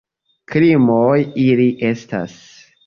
Krimoj ili estas!